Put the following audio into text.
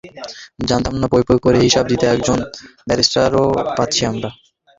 জানতাম না পইপই করে হিসেব দিতে একজন বেবিসিটারও পাচ্ছি আমরা।